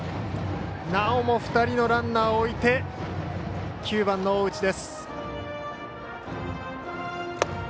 なおも２人のランナーを置いて９番、大内です。